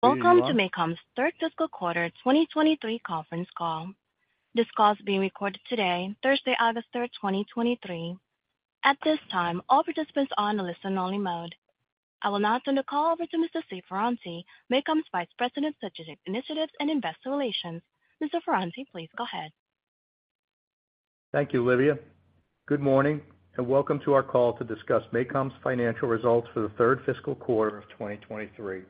Welcome to MACOM's third fiscal quarter, 2023 conference call. This call is being recorded today, Thursday, August third, 2023. At this time, all participants are on a listen-only mode. I will now turn the call over to Mr. Steve Ferranti, MACOM's Vice President, Strategic Initiatives and Investor Relations. Mr. Ferranti, please go ahead. Thank you, Olivia. Good morning, and welcome to our call to discuss MACOM's financial results for the third fiscal quarter of 2023.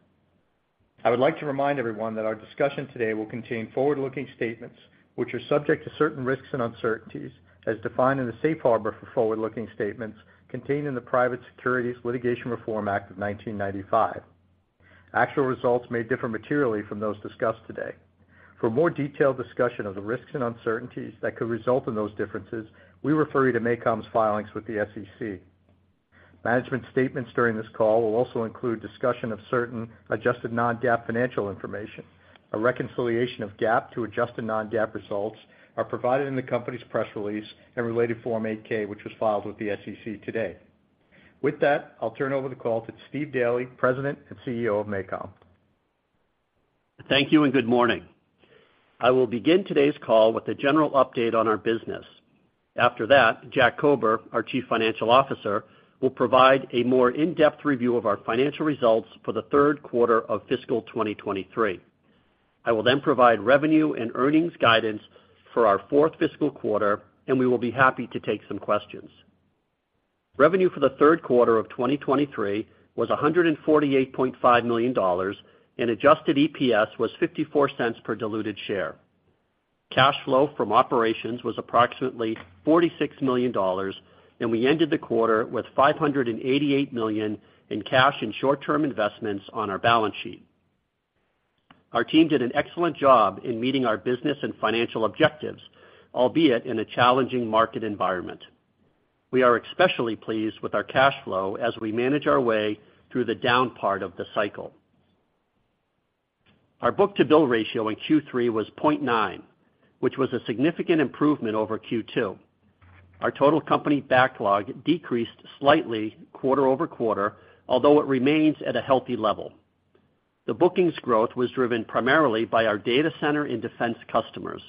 I would like to remind everyone that our discussion today will contain forward-looking statements, which are subject to certain risks and uncertainties as defined in the safe harbor for forward-looking statements contained in the Private Securities Litigation Reform Act of 1995. Actual results may differ materially from those discussed today. For a more detailed discussion of the risks and uncertainties that could result in those differences, we refer you to MACOM's filings with the SEC. Management statements during this call will also include discussion of certain adjusted non-GAAP financial information. A reconciliation of GAAP to adjusted non-GAAP results are provided in the company's press release and related Form 8-K, which was filed with the SEC today. With that, I'll turn over the call to Steve Daly, President and CEO of MACOM. Thank you. Good morning. I will begin today's call with a general update on our business. After that, Jack Kober, our Chief Financial Officer, will provide a more in-depth review of our financial results for the third quarter of fiscal 2023. I will then provide revenue and earnings guidance for our fourth fiscal quarter, and we will be happy to take some questions. Revenue for the third quarter of 2023 was $148.5 million, and adjusted EPS was $0.54 per diluted share. Cash flow from operations was approximately $46 million, and we ended the quarter with $588 million in cash and short-term investments on our balance sheet. Our team did an excellent job in meeting our business and financial objectives, albeit in a challenging market environment. We are especially pleased with our cash flow as we manage our way through the down part of the cycle. Our book-to-bill ratio in Q3 was 0.9, which was a significant improvement over Q2. Our total company backlog decreased slightly quarter-over-quarter, although it remains at a healthy level. The bookings growth was driven primarily by our Data Center and defense customers.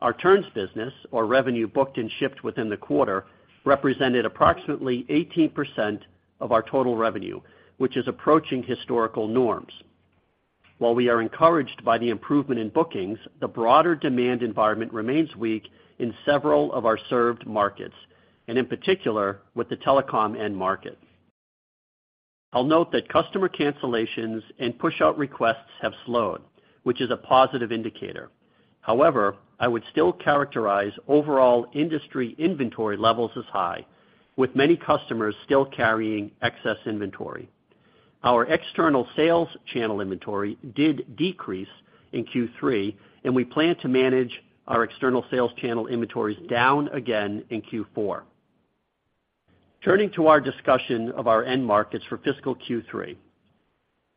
Our turns business, or revenue booked and shipped within the quarter, represented approximately 18% of our total revenue, which is approaching historical norms. While we are encouraged by the improvement in bookings, the broader demand environment remains weak in several of our served markets, and in particular, with the telecom end market. I'll note that customer cancellations and pushout requests have slowed, which is a positive indicator. I would still characterize overall industry inventory levels as high, with many customers still carrying excess inventory. Our external sales channel inventory did decrease in Q3, and we plan to manage our external sales channel inventories down again in Q4. Turning to our discussion of our end markets for fiscal Q3.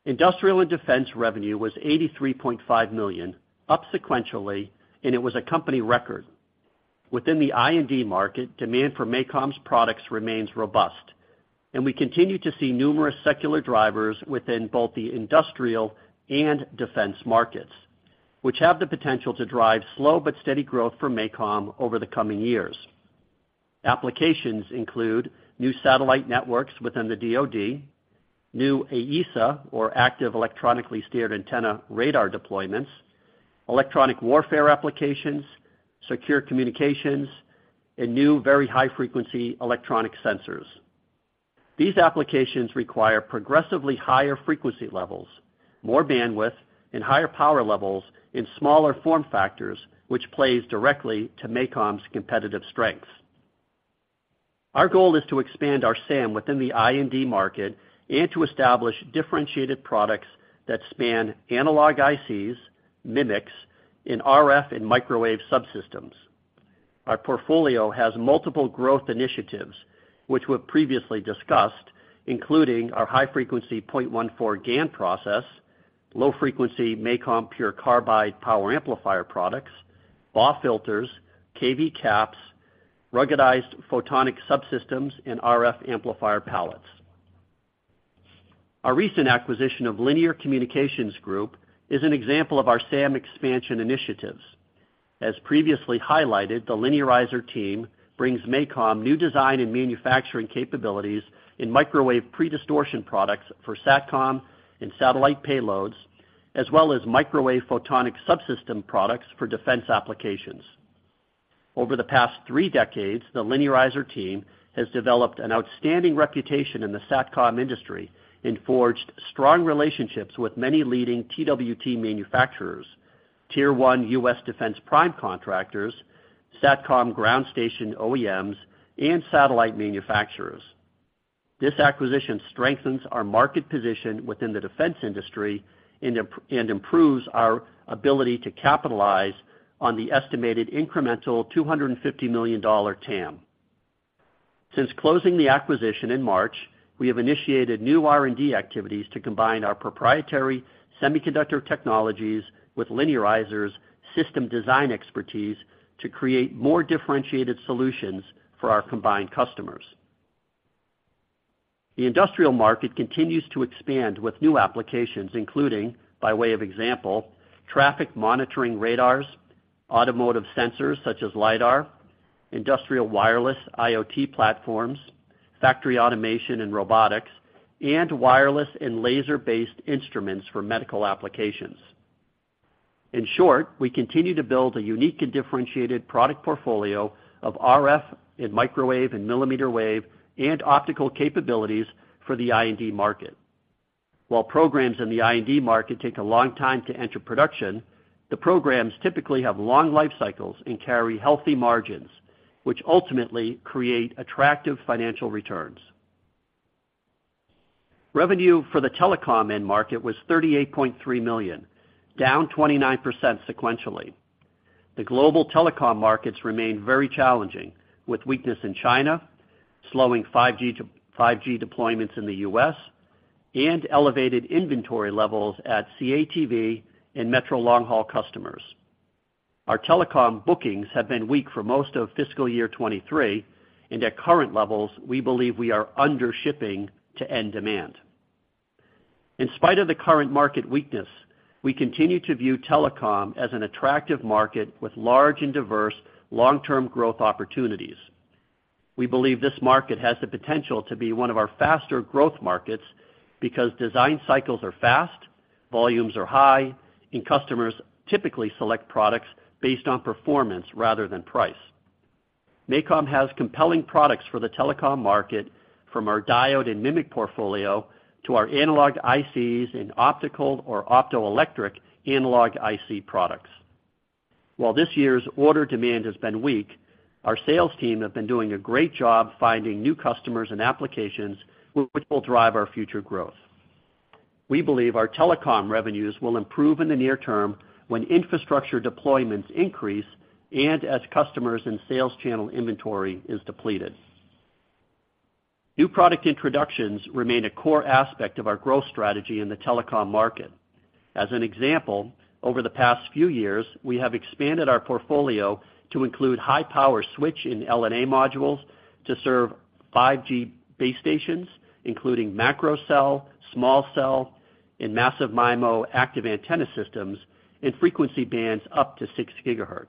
Industrial and Defense revenue was $83.5 million, up sequentially, and it was a company record. Within the I&D market, demand for MACOM's products remains robust, and we continue to see numerous secular drivers within both the Industrial and Defense markets, which have the potential to drive slow but steady growth for MACOM over the coming years. Applications include new satellite networks within the DoD, new AESA, or active electronically steered antenna, radar deployments, electronic warfare applications, secure communications, and new very high-frequency electronic sensors. These applications require progressively higher frequency levels, more bandwidth, and higher power levels in smaller form factors, which plays directly to MACOM's competitive strengths. Our goal is to expand our SAM within the I&D market and to establish differentiated products that span analog ICs, MMICs, and RF and microwave subsystems. Our portfolio has multiple growth initiatives, which were previously discussed, including our high-frequency 0.14 µm GaN process, low-frequency MACOM Pure Carbide power amplifier products, BAW filters, kV capacitors, ruggedized photonic subsystems, and RF amplifier pallets. Our recent acquisition of Linearizer Communications Group is an example of our SAM expansion initiatives. As previously highlighted, the Linearizer team brings MACOM new design and manufacturing capabilities in microwave predistortion products for SatCom and satellite payloads, as well as microwave photonic subsystem products for defense applications. Over the past three decades, the Linearizer team has developed an outstanding reputation in the SatCom industry and forged strong relationships with many leading TWT manufacturers, tier-one US defense prime contractors, SatCom ground station OEMs, and satellite manufacturers. This acquisition strengthens our market position within the defense industry and improves our ability to capitalize on the estimated incremental $250 million TAM. Since closing the acquisition in March, we have initiated new R&D activities to combine our proprietary semiconductor technologies with Linearizer's system design expertise to create more differentiated solutions for our combined customers. The industrial market continues to expand with new applications, including, by way of example, traffic monitoring radars, automotive sensors such as LiDAR, industrial wireless IoT platforms, factory automation and robotics, and wireless and laser-based instruments for medical applications. In short, we continue to build a unique and differentiated product portfolio of RF and microwave and millimeter wave and optical capabilities for the I&D market. While programs in the I&D market take a long time to enter production, the programs typically have long life cycles and carry healthy margins, which ultimately create attractive financial returns. Revenue for the Telecom end market was $38.3 million, down 29% sequentially. The global telecom markets remain very challenging, with weakness in China, slowing 5G, 5G deployments in the U.S., and elevated inventory levels at CATV and metro long-haul customers. Our Telecom bookings have been weak for most of fiscal year 2023, and at current levels, we believe we are under shipping to end demand. In spite of the current market weakness, we continue to view telecom as an attractive market with large and diverse long-term growth opportunities. We believe this market has the potential to be one of our faster growth markets because design cycles are fast, volumes are high, and customers typically select products based on performance rather than price. MACOM has compelling products for the telecom market, from our diode and MMIC portfolio to our analog ICs and optical or optoelectronic analog IC products. While this year's order demand has been weak, our sales team have been doing a great job finding new customers and applications which will drive our future growth. We believe our Telecom revenues will improve in the near term when infrastructure deployments increase and as customers and sales channel inventory is depleted. New product introductions remain a core aspect of our growth strategy in the telecom market. As an example, over the past few years, we have expanded our portfolio to include high-power switch and LNA modules to serve 5G base stations, including macro cell, small cell, and massive MIMO active antenna systems in frequency bands up to 6 GHz.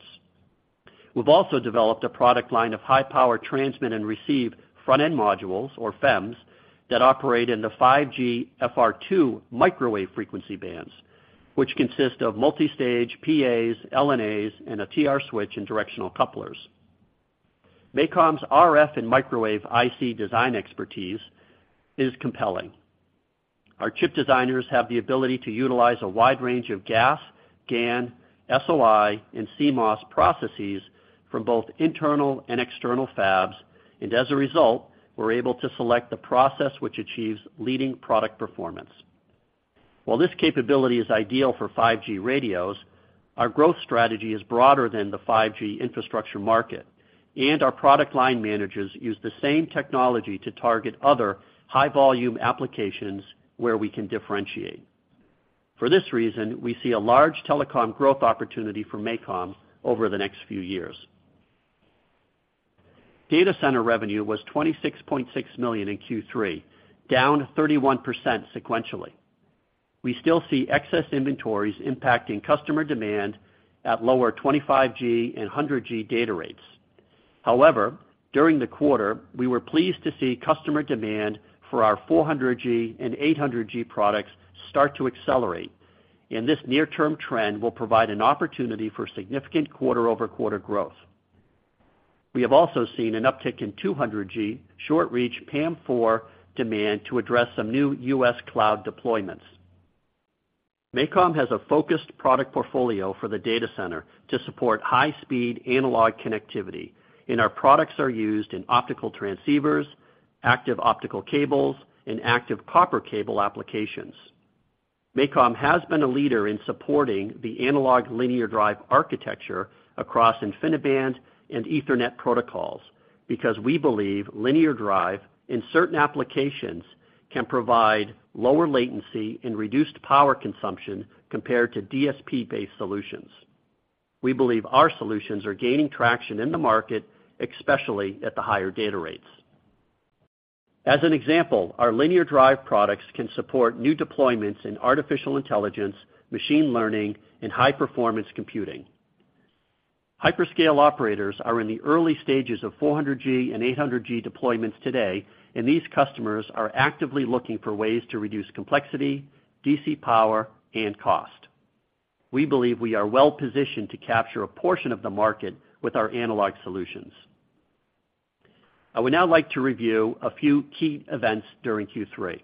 We've also developed a product line of high-power transmit and receive front-end modules, or FEMs, that operate in the 5G FR2 microwave frequency bands, which consist of multi-stage PAs, LNAs, and a T/R switch, and directional couplers. MACOM's RF and microwave IC design expertise is compelling. Our chip designers have the ability to utilize a wide range of GaAs, GaN, SOI, and CMOS processes from both internal and external fabs, and as a result, we're able to select the process which achieves leading product performance. While this capability is ideal for 5G radios, our growth strategy is broader than the 5G infrastructure market, and our product line managers use the same technology to target other high-volume applications where we can differentiate. For this reason, we see a large telecom growth opportunity for MACOM over the next few years. Data center revenue was $26.6 million in Q3, down 31% sequentially. We still see excess inventories impacting customer demand at lower 25G and 100G data rates. However, during the quarter, we were pleased to see customer demand for our 400G and 800G products start to accelerate, and this near-term trend will provide an opportunity for significant quarter-over-quarter growth. We have also seen an uptick in 200G short-reach PAM4 demand to address some new US cloud deployments. MACOM has a focused product portfolio for the Data Center to support high-speed analog connectivity. Our products are used in optical transceivers, active optical cables, and active copper cable applications. MACOM has been a leader in supporting the analog linear drive architecture across InfiniBand and Ethernet protocols, because we believe linear drive, in certain applications, can provide lower latency and reduced power consumption compared to DSP-based solutions. We believe our solutions are gaining traction in the market, especially at the higher data rates. As an example, our linear drive products can support new deployments in artificial intelligence, machine learning, and high-performance computing. Hyperscale operators are in the early stages of 400G and 800G deployments today. These customers are actively looking for ways to reduce complexity, DC power, and cost. We believe we are well-positioned to capture a portion of the market with our analog solutions. I would now like to review a few key events during Q3.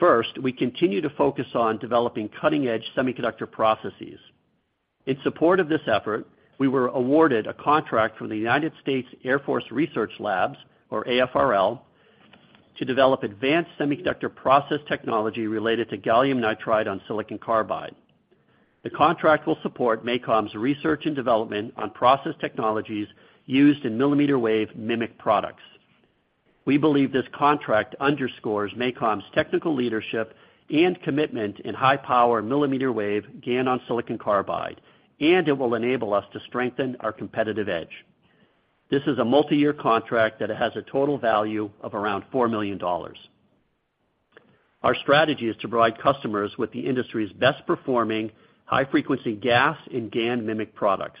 First, we continue to focus on developing cutting-edge semiconductor processes. In support of this effort, we were awarded a contract from the United States Air Force Research Labs, or AFRL, to develop advanced semiconductor process technology related to gallium nitride on silicon carbide. The contract will support MACOM's research and development on process technologies used in millimeter wave MMIC products. We believe this contract underscores MACOM's technical leadership and commitment in high-power millimeter wave GaN-on-silicon carbide, and it will enable us to strengthen our competitive edge. This is a multi-year contract that has a total value of around $4 million. Our strategy is to provide customers with the industry's best performing high-frequency GaAs and GaN MMIC products.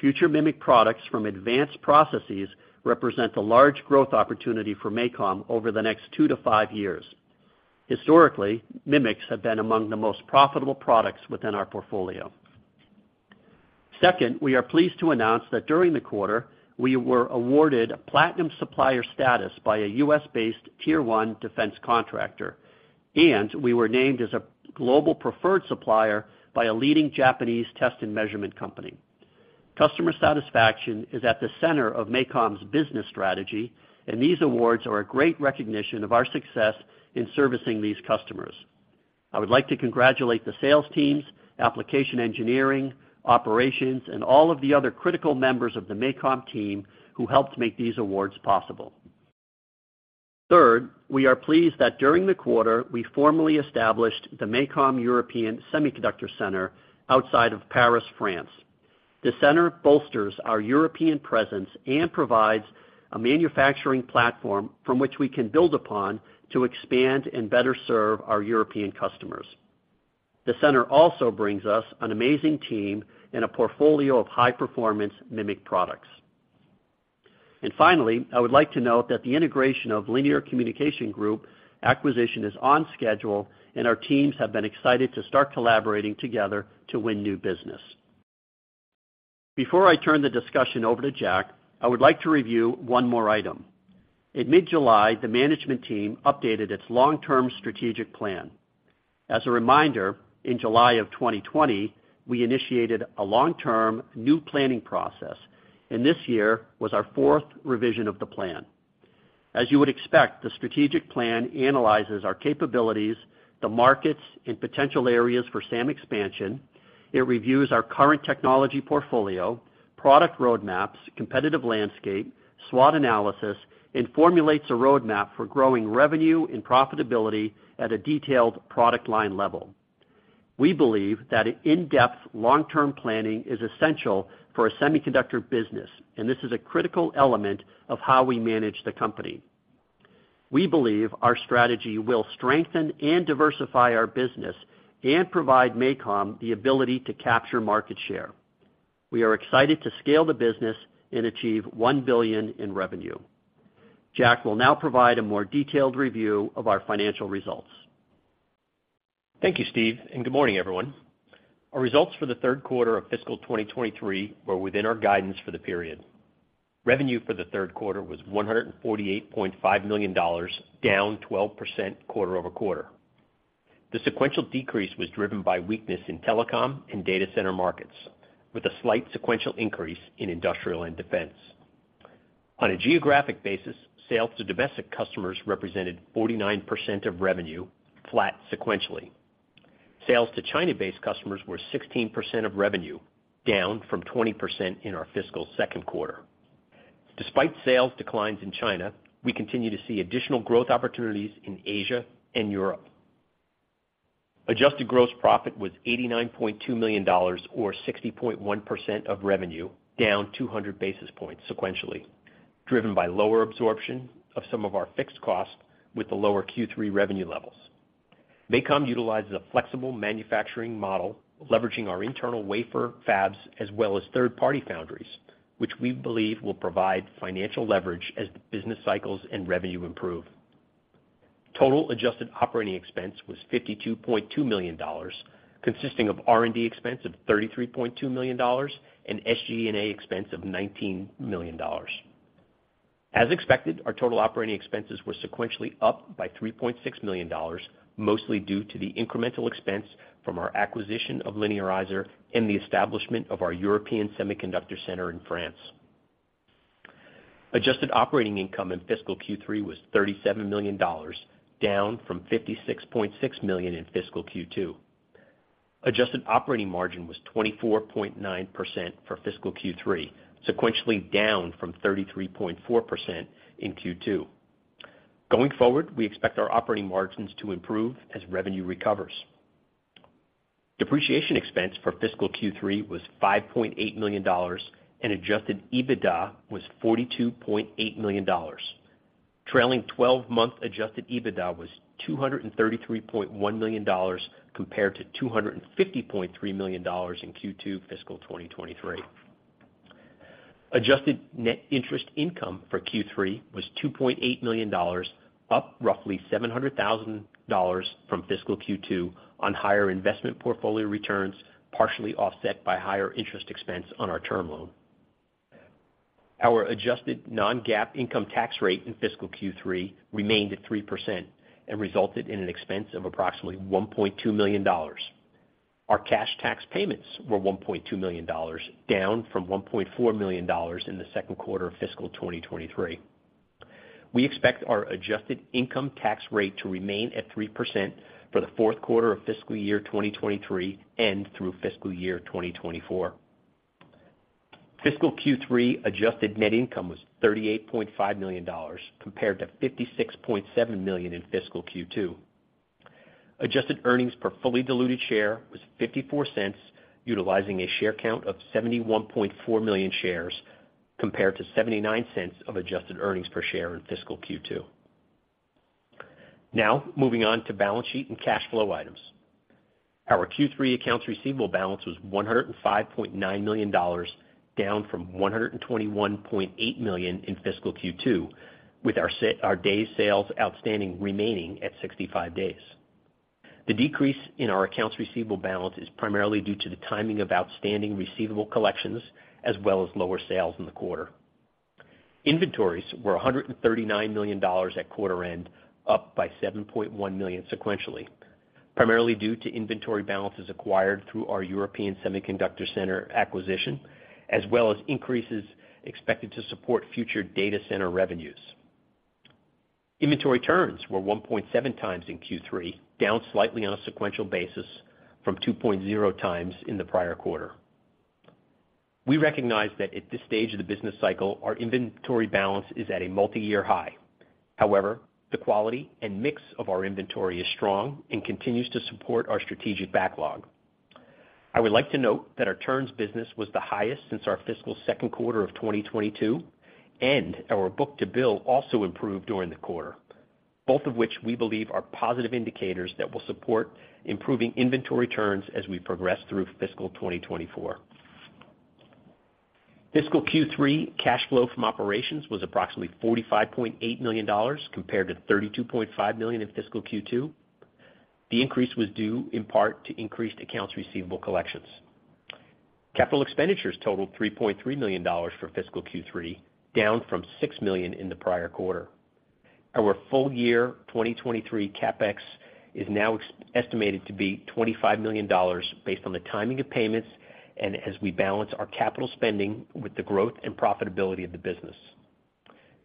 Future MMIC products from advanced processes represent a large growth opportunity for MACOM over the next two to five years. Historically, MMICs have been among the most profitable products within our portfolio. Second, we are pleased to announce that during the quarter, we were awarded a platinum supplier status by a U.S.-based tier-one defense contractor, and we were named as a global preferred supplier by a leading Japanese test and measurement company. Customer satisfaction is at the center of MACOM's business strategy, and these awards are a great recognition of our success in servicing these customers. I would like to congratulate the sales teams, application engineering, operations, and all of the other critical members of the MACOM team who helped make these awards possible. Third, we are pleased that during the quarter, we formally established the MACOM European Semiconductor Center outside of Paris, France. The center bolsters our European presence and provides a manufacturing platform from which we can build upon to expand and better serve our European customers. The center also brings us an amazing team and a portfolio of high-performance MMIC products. Finally, I would like to note that the integration of Linearizer Communications Group acquisition is on schedule, and our teams have been excited to start collaborating together to win new business. Before I turn the discussion over to Jack, I would like to review one more item. In mid-July, the management team updated its long-term strategic plan. As a reminder, in July of 2020, we initiated a long-term new planning process, and this year was our fourth revision of the plan. As you would expect, the strategic plan analyzes our capabilities, the markets, and potential areas for SAM expansion. It reviews our current technology portfolio, product roadmaps, competitive landscape, SWOT analysis, and formulates a roadmap for growing revenue and profitability at a detailed product line level. We believe that an in-depth, long-term planning is essential for a semiconductor business, and this is a critical element of how we manage the company. We believe our strategy will strengthen and diversify our business and provide MACOM the ability to capture market share. We are excited to scale the business and achieve $1 billion in revenue. Jack will now provide a more detailed review of our financial results. Thank you, Steve. Good morning, everyone. Our results for the third quarter of fiscal 2023 were within our guidance for the period. Revenue for the third quarter was $148.5 million, down 12% quarter-over-quarter. The sequential decrease was driven by weakness in Telecom and Data Center markets, with a slight sequential increase in Industrial and Defense. On a geographic basis, sales to domestic customers represented 49% of revenue, flat sequentially. Sales to China-based customers were 16% of revenue, down from 20% in our fiscal second quarter. Despite sales declines in China, we continue to see additional growth opportunities in Asia and Europe. Adjusted gross profit was $89.2 million, or 60.1% of revenue, down 200 basis points sequentially, driven by lower absorption of some of our fixed costs with the lower Q3 revenue levels. MACOM utilizes a flexible manufacturing model, leveraging our internal wafer fabs as well as third-party foundries, which we believe will provide financial leverage as the business cycles and revenue improve. Total adjusted operating expense was $52.2 million, consisting of R&D expense of $33.2 million and SG&A expense of $19 million. As expected, our total operating expenses were sequentially up by $3.6 million, mostly due to the incremental expense from our acquisition of Linearizer and the establishment of our European Semiconductor Center in France. Adjusted operating income in fiscal Q3 was $37 million, down from $56.6 million in fiscal Q2. Adjusted operating margin was 24.9% for fiscal Q3, sequentially down from 33.4% in Q2. Going forward, we expect our operating margins to improve as revenue recovers. Depreciation expense for fiscal Q3 was $5.8 million, and adjusted EBITDA was $42.8 million. Trailing 12-month adjusted EBITDA was $233.1 million compared to $250.3 million in Q2 fiscal 2023. Adjusted net interest income for Q3 was $2.8 million, up roughly $700,000 from fiscal Q2 on higher investment portfolio returns, partially offset by higher interest expense on our term loan. Our adjusted non-GAAP income tax rate in fiscal Q3 remained at 3% and resulted in an expense of approximately $1.2 million. Our cash tax payments were $1.2 million, down from $1.4 million in the second quarter of fiscal 2023. We expect our adjusted income tax rate to remain at 3% for the fourth quarter of fiscal year 2023 and through fiscal year 2024. Fiscal Q3 adjusted net income was $38.5 million, compared to $56.7 million in fiscal Q2. Adjusted earnings per fully diluted share was $0.54, utilizing a share count of 71.4 million shares, compared to $0.79 of adjusted earnings per share in fiscal Q2. Moving on to balance sheet and cash flow items. Our Q3 accounts receivable balance was $105.9 million, down from $121.8 million in fiscal Q2, with our day sales outstanding remaining at 65 days. The decrease in our accounts receivable balance is primarily due to the timing of outstanding receivable collections, as well as lower sales in the quarter. Inventories were $139 million at quarter end, up by $7.1 million sequentially, primarily due to inventory balances acquired through our European Semiconductor Center acquisition, as well as increases expected to support future Data Center revenues. Inventory turns were 1.7x in Q3, down slightly on a sequential basis from 2.0x in the prior quarter. We recognize that at this stage of the business cycle, our inventory balance is at a multi-year high. The quality and mix of our inventory is strong and continues to support our strategic backlog. I would like to note that our turns business was the highest since our fiscal second quarter of 2022, and our book-to-bill also improved during the quarter, both of which we believe are positive indicators that will support improving inventory turns as we progress through fiscal 2024. fiscal Q3 cash flow from operations was approximately $45.8 million, compared to $32.5 million in fiscal Q2. The increase was due in part to increased accounts receivable collections. Capital expenditures totaled $3.3 million for fiscal Q3, down from $6 million in the prior quarter. Our full year 2023 CapEx is now estimated to be $25 million based on the timing of payments and as we balance our capital spending with the growth and profitability of the business.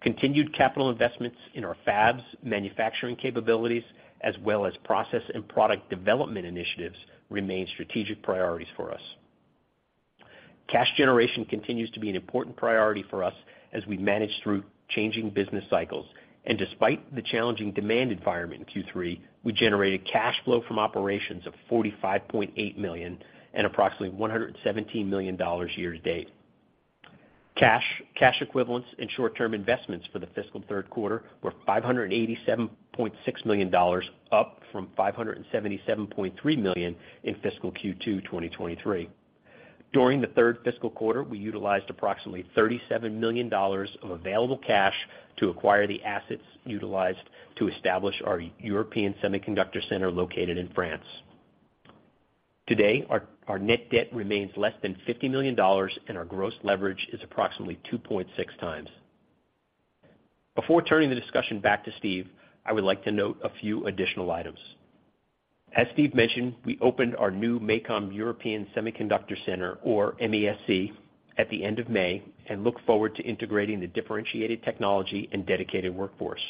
Continued capital investments in our fabs, manufacturing capabilities, as well as process and product development initiatives, remain strategic priorities for us. Cash generation continues to be an important priority for us as we manage through changing business cycles. Despite the challenging demand environment in Q3, we generated cash flow from operations of $45.8 million and approximately $117 million year-to-date. Cash, cash equivalents, and short-term investments for the fiscal third quarter were $587.6 million, up from $577.3 million in fiscal Q2 2023. During the third fiscal quarter, we utilized approximately $37 million of available cash to acquire the assets utilized to establish our European Semiconductor Center, located in France. Today, our net debt remains less than $50 million, and our gross leverage is approximately 2.6x. Before turning the discussion back to Steve, I would like to note a few additional items. As Steve mentioned, we opened our new MACOM European Semiconductor Center, or MESC, at the end of May and look forward to integrating the differentiated technology and dedicated workforce.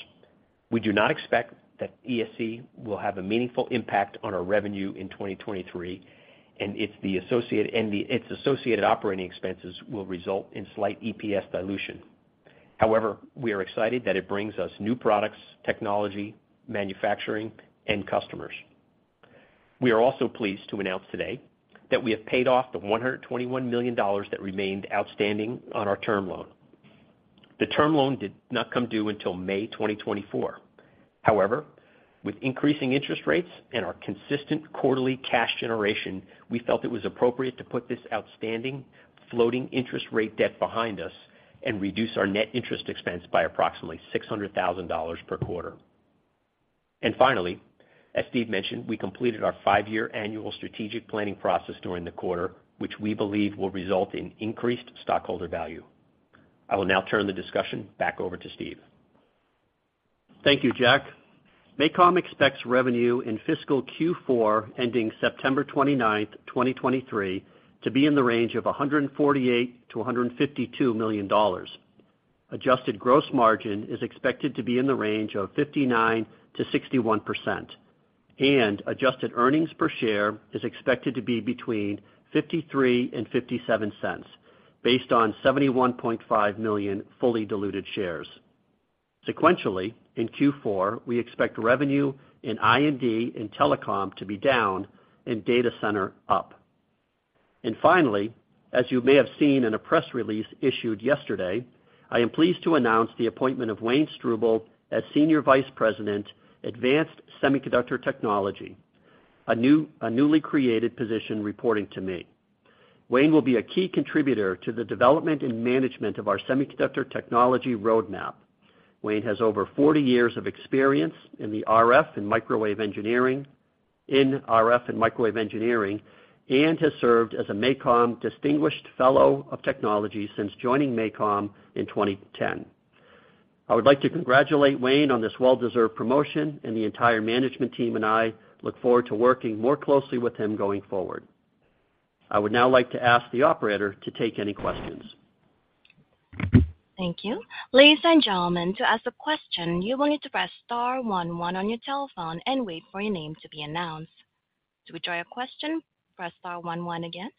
We do not expect that ESC will have a meaningful impact on our revenue in 2023, and its associated operating expenses will result in slight EPS dilution. We are excited that it brings us new products, technology, manufacturing, and customers. We are also pleased to announce today that we have paid off the $121 million that remained outstanding on our term loan. The term loan did not come due until May 2024. However, with increasing interest rates and our consistent quarterly cash generation, we felt it was appropriate to put this outstanding floating interest rate debt behind us and reduce our net interest expense by approximately $600,000 per quarter. Finally, as Steve mentioned, we completed our five-year annual strategic planning process during the quarter, which we believe will result in increased stockholder value. I will now turn the discussion back over to Steve. Thank you, Jack. MACOM expects revenue in fiscal Q4, ending September 29, 2023, to be in the range of $148 million-$152 million. Adjusted gross margin is expected to be in the range of 59%-61%, adjusted earnings per share is expected to be between $0.53-$0.57, based on 71.5 million fully diluted shares. Sequentially, in Q4, we expect revenue in I&D and Telecom to be down, Data center up. Finally, as you may have seen in a press release issued yesterday, I am pleased to announce the appointment of Wayne Struble as Senior Vice President, Advanced Semiconductor Technology, a newly created position reporting to me. Wayne will be a key contributor to the development and management of our semiconductor technology roadmap. Wayne has over 40 years of experience in RF and microwave engineering, and has served as a MACOM distinguished fellow of technology since joining MACOM in 2010. I would like to congratulate Wayne on this well-deserved promotion, and the entire management team and I look forward to working more closely with him going forward. I would now like to ask the operator to take any questions. Thank you. Ladies and gentlemen, to ask a question, you will need to press star one one on your telephone and wait for your name to be announced. To withdraw your question, press star one one again.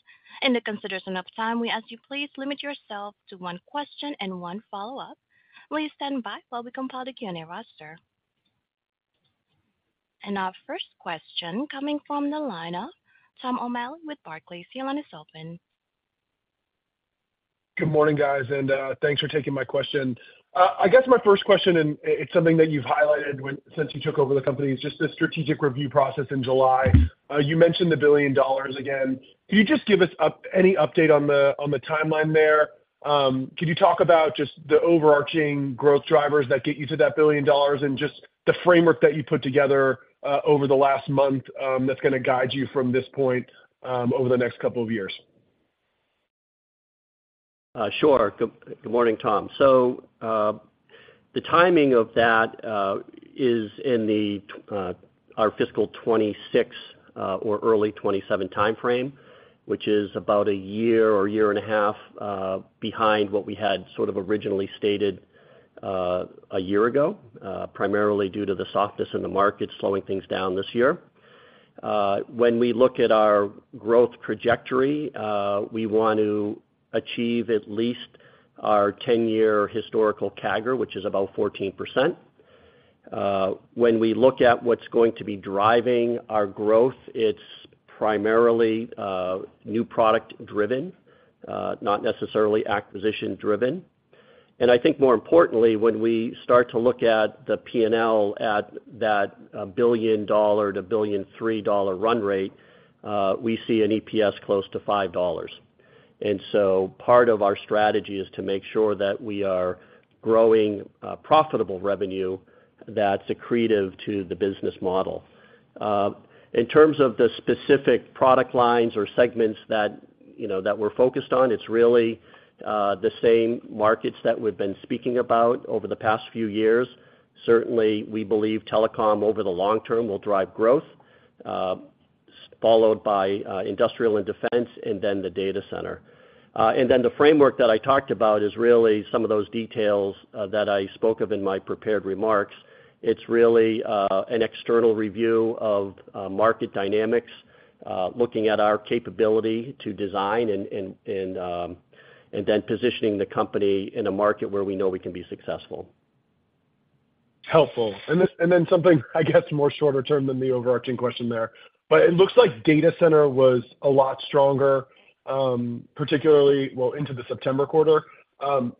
In the consideration of time, we ask you please limit yourself to one question and one follow-up. Please stand by while we compile the Q&A roster. Our first question coming from the line of Tom O'Malley with Barclays. Your line is open. Good morning, guys. Thanks for taking my question. I guess my first question, and it's something that you've highlighted since you took over the company, is just the strategic review process in July. You mentioned the $1 billion again. Can you just give us any update on the timeline there? Could you talk about just the overarching growth drivers that get you to that $1 billion and just the framework that you put together over the last month that's gonna guide you from this point over the next couple of years? Sure. Good morning, Tom. The timing of that is in our fiscal 2026 or early 2027 timeframe, which is about one year or one and a half years behind what we had sort of originally stated one year ago, primarily due to the softness in the market, slowing things down this year. When we look at our growth trajectory, we want to achieve at least our 10-year historical CAGR, which is about 14%. When we look at what's going to be driving our growth, it's primarily new product driven, not necessarily acquisition driven. I think more importantly, when we start to look at the P&L at that $1 billion-$1.3 billion run rate, we see an EPS close to $5. Part of our strategy is to make sure that we are growing, profitable revenue that's accretive to the business model. In terms of the specific product lines or segments that, you know, that we're focused on, it's really the same markets that we've been speaking about over the past few years. Certainly, we believe Telecom, over the long term, will drive growth, followed by Industrial and Defense and then the Data Center. The framework that I talked about is really some of those details that I spoke of in my prepared remarks. It's really an external review of market dynamics, looking at our capability to design and, and, and, and then positioning the company in a market where we know we can be successful. Helpful. This, and then something, I guess, more shorter term than the overarching question there. It looks like Data Center was a lot stronger, particularly, well, into the September quarter.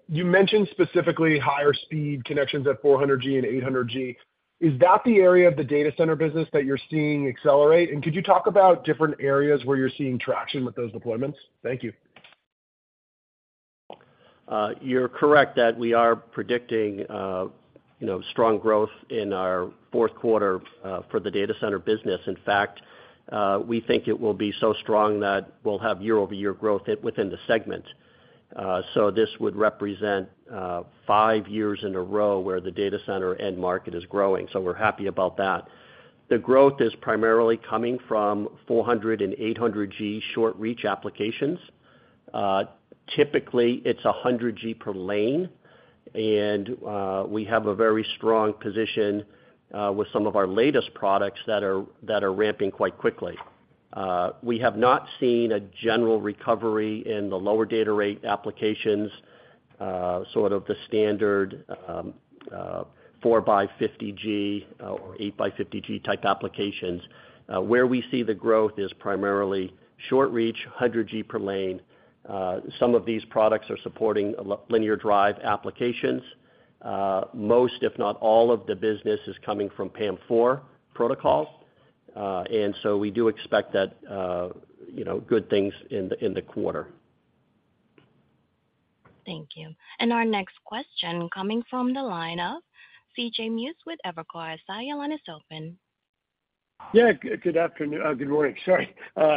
You mentioned specifically higher speed connections at 400G and 800G. Is that the area of the Data Center business that you're seeing accelerate? Could you talk about different areas where you're seeing traction with those deployments? Thank you. You're correct that we are predicting, you know, strong growth in our fourth quarter for the Data Center business. In fact, we think it will be so strong that we'll have year-over-year growth within the segment. So this would represent five years in a row where the Data Center end market is growing, so we're happy about that. The growth is primarily coming from 400G and 800G short reach applications. Typically, it's 100G per lane, and we have a very strong position with some of our latest products that are ramping quite quickly. We have not seen a general recovery in the lower data rate applications, sort of the standard 4x50G or 8x50G type applications. Where we see the growth is primarily short reach, 100G per lane. Some of these products are supporting linear drive applications. Most, if not all, of the business is coming from PAM4 protocols. So we do expect that, you know, good things in the, in the quarter. Thank you. Our next question coming from the line of CJ Muse with Evercore. Sir, your line is open. Yeah, good afternoon. Good morning, sorry.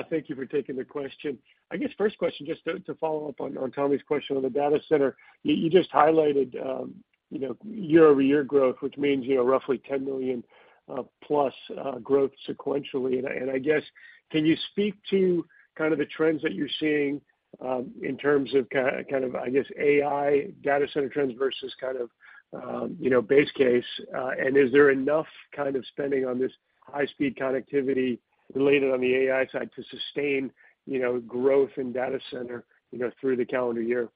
Thank you for taking the question. I guess, first question, just to follow up on Tommy's question on the Data Center. You just highlighted, you know, year-over-year growth, which means, you know, roughly $10 million plus growth sequentially. I, and I guess, can you speak to kind of the trends that you're seeing, in terms of kind of, I guess, AI Data Center trends versus kind of, you know, base case? Is there enough kind of spending on this high-speed connectivity related on the AI side to sustain, you know, growth in Data Center, you know, through the calendar year?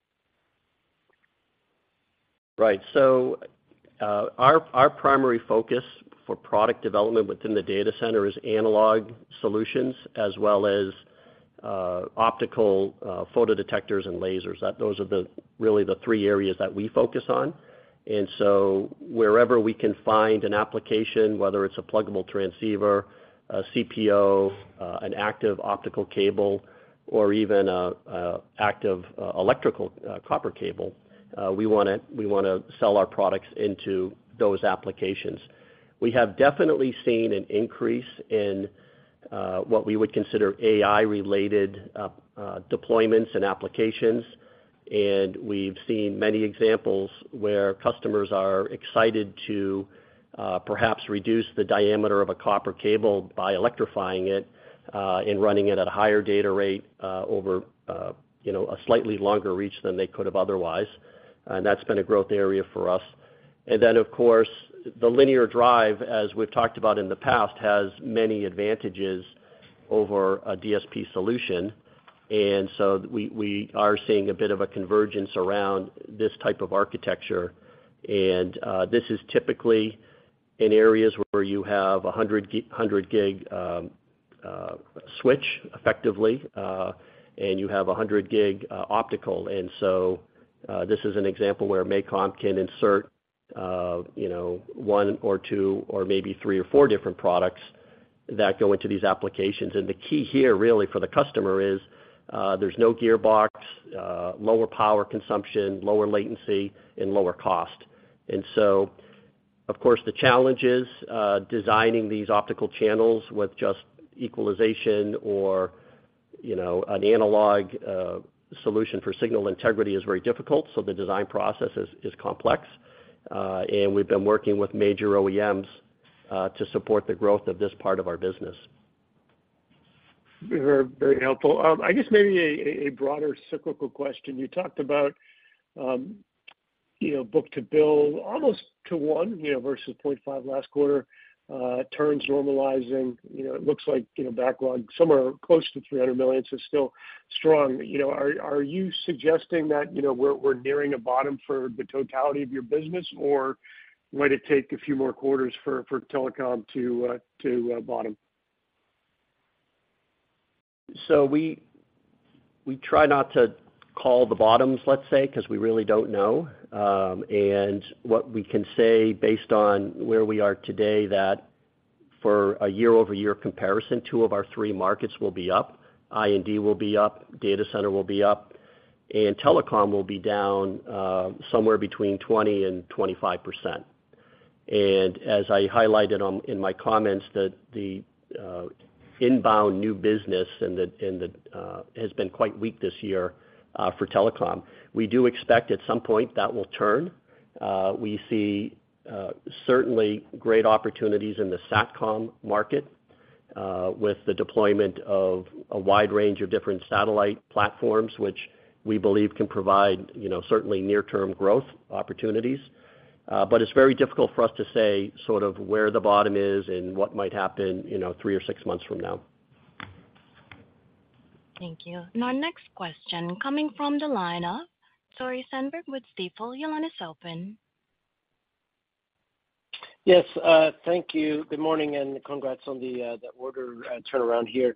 Right. Our, our primary focus for product development within the Data Center is analog solutions, as well as optical photodetectors and lasers. Those are the, really the three areas that we focus on. Wherever we can find an application, whether it's a pluggable transceiver, a CPO, an active optical cable, or even an active electrical copper cable, we wanna, we wanna sell our products into those applications. We have definitely seen an increase in what we would consider AI-related deployments and applications. We've seen many examples where customers are excited to perhaps reduce the diameter of a copper cable by electrifying it and running it at a higher data rate over, you know, a slightly longer reach than they could have otherwise. That's been a growth area for us. Then, of course, the linear drive, as we've talked about in the past, has many advantages over a DSP solution. So we, we are seeing a bit of a convergence around this type of architecture. This is typically in areas where you have a 100 gig switch effectively, and you have a 100 gig optical. So this is an example where MACOM can insert, you know, one or two or maybe three or four different products that go into these applications. The key here, really for the customer is, there's no gearbox, lower power consumption, lower latency, and lower cost. Of course, the challenge is designing these optical channels with just equalization or, you know, an analog solution for signal integrity is very difficult, so the design process is complex. We've been working with major OEMs to support the growth of this part of our business. Very, very helpful. I guess maybe a, a broader cyclical question. You talked about, you know, book-to-bill almost to 1, you know, versus 0.5 last quarter, turns normalizing. You know, it looks like, you know, backlog somewhere close to $300 million, so still strong. You know, are, are you suggesting that, you know, we're, we're nearing a bottom for the totality of your business, or might it take a few more quarters for, for Telecom to, to bottom? We, we try not to call the bottoms, let's say, 'cause we really don't know. What we can say based on where we are today, that for a year-over-year comparison, two of our three markets will be up. I&D will be up, Data Center will be up, and telecom will be down, somewhere between 20% and 25%. As I highlighted in my comments, that the inbound new business and the, and the has been quite weak this year, for telecom. We do expect at some point that will turn. We see certainly great opportunities in the SatCom market, with the deployment of a wide range of different satellite platforms, which we believe can provide, you know, certainly near-term growth opportunities. It's very difficult for us to say sort of where the bottom is and what might happen, you know, three or six months from now. Thank you. Our next question coming from the line of Tore Svanberg with Stifel. Your line is open. Yes, thank you. Good morning, and congrats on the, the order, turnaround here.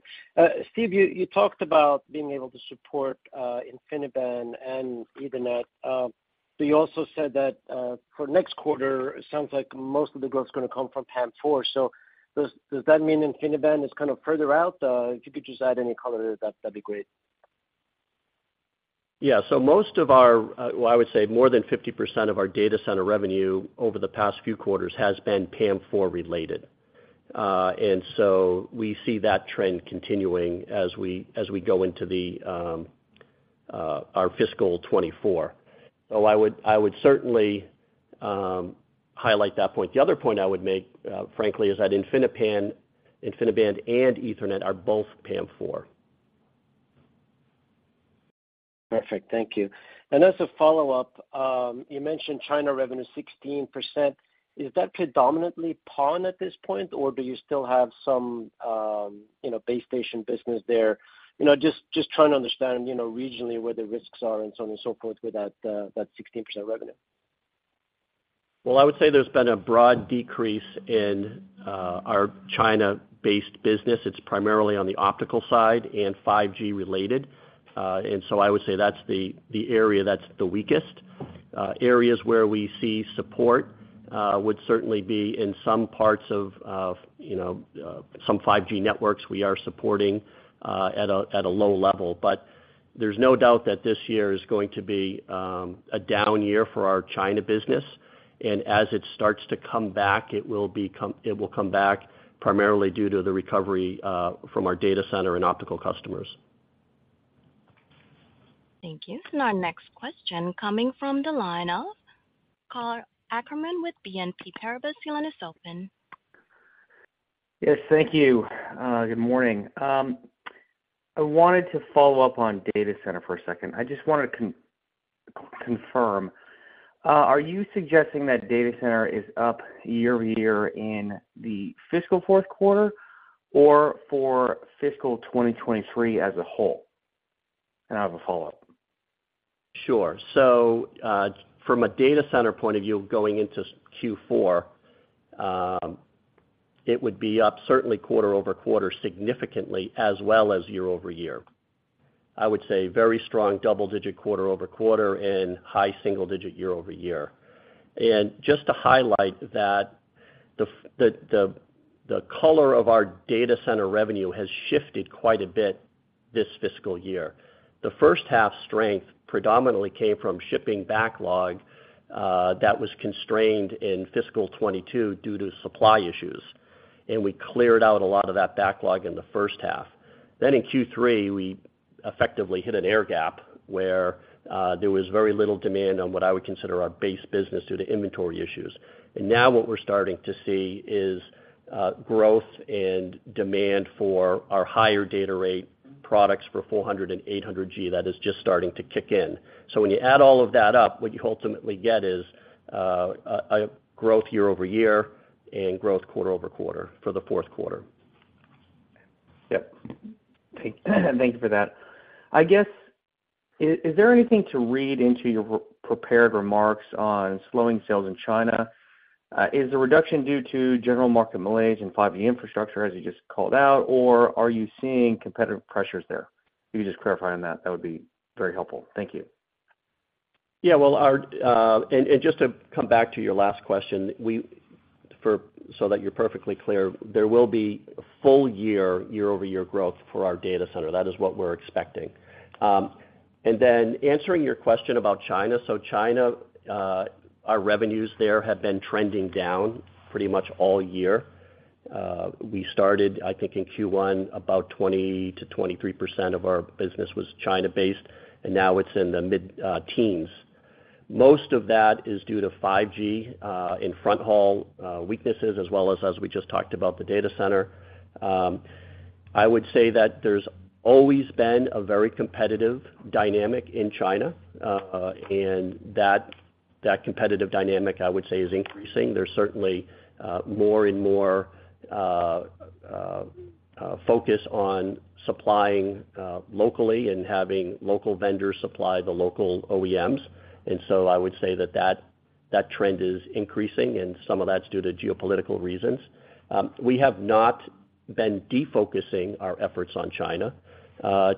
Steve, you, you talked about being able to support, InfiniBand and Ethernet. You also said that, for next quarter, it sounds like most of the growth is gonna come from PAM4. Does, does that mean InfiniBand is kind of further out? If you could just add any color to that, that'd be great. Yeah. Most of our, well, I would say more than 50% of our Data Center revenue over the past few quarters has been PAM4 related. We see that trend continuing as we go into our fiscal 2024. I would, I would certainly highlight that point. The other point I would make, frankly, is that InfiniBand and Ethernet are both PAM4. Perfect. Thank you. As a follow-up, you mentioned China revenue 16%. Is that predominantly PON at this point, or do you still have some, you know, base station business there? You know, just, just trying to understand, you know, regionally, where the risks are and so on and so forth with that, that 16% revenue. Well, I would say there's been a broad decrease in our China-based business. It's primarily on the optical side and 5G related. I would say that's the, the area that's the weakest. Areas where we see support would certainly be in some parts of, of, you know, some 5G networks we are supporting at a, at a low level. There's no doubt that this year is going to be a down year for our China business, and as it starts to come back, it will come back primarily due to the recovery from our Data Center and optical customers. Thank you. Our next question coming from the line of Karl Ackerman with BNP Paribas. Your line is open. Yes, thank you. Good morning. I wanted to follow up on Data Center for a second. I just wanted to confirm. Are you suggesting that Data Center is up year-over-year in the fiscal fourth quarter or for fiscal 2023 as a whole? I have a follow-up. Sure. From a Data Center point of view, going into Q4, it would be up certainly quarter-over-quarter, significantly, as well as year-over-year. I would say very strong double-digit quarter-over-quarter and high single-digit year-over-year. Just to highlight that the color of our Data Center revenue has shifted quite a bit this fiscal year. The first half strength predominantly came from shipping backlog that was constrained in fiscal 2022 due to supply issues, and we cleared out a lot of that backlog in the first half. In Q3, we effectively hit an air gap, where there was very little demand on what I would consider our base business due to inventory issues. Now what we're starting to see is growth and demand for our higher data rate products for 400G and 800G. That is just starting to kick in. When you add all of that up, what you ultimately get is a, a growth year-over-year and growth quarter-over-quarter for the fourth quarter. Yep. Thank you for that. I guess, is there anything to read into your prepared remarks on slowing sales in China? Is the reduction due to general market malaise and 5G infrastructure, as you just called out, or are you seeing competitive pressures there? If you could just clarify on that, that would be very helpful. Thank you. Yeah, well, our, just to come back to your last question, we, so that you're perfectly clear, there will be full year, year-over-year growth for our Data Center. That is what we're expecting. Then answering your question about China. China, our revenues there have been trending down pretty much all year. We started, I think, in Q1, about 20%-23% of our business was China-based, and now it's in the mid-teens. Most of that is due to 5G in fronthaul weaknesses, as well as, as we just talked about, the Data Center. I would say that there's always been a very competitive dynamic in China, that, that competitive dynamic, I would say, is increasing. There's certainly, more and more, focus on supplying, locally and having local vendors supply the local OEMs. I would say that, that, that trend is increasing, and some of that's due to geopolitical reasons. We have not been defocusing our efforts on China.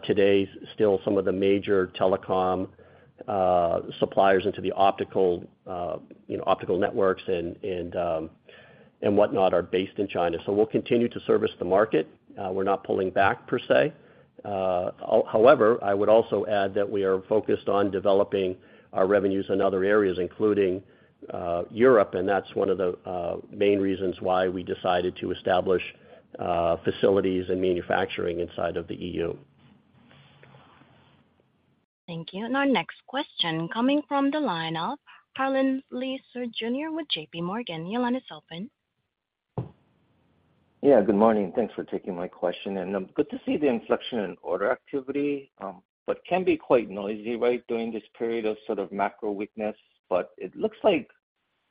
Today, still some of the major telecom, suppliers into the optical, you know, optical networks and, and, and whatnot, are based in China. We'll continue to service the market. We're not pulling back per se. However, I would also add that we are focused on developing our revenues in other areas, including, Europe, and that's one of the, main reasons why we decided to establish, facilities and manufacturing inside of the EU. Thank you. Our next question coming from the line of Harlan Lee Sur Jr. with JPMorgan. Your line is open. Yeah, good morning. Thanks for taking my question, and good to see the inflection in order activity, but can be quite noisy, right, during this period of sort of macro weakness. It looks like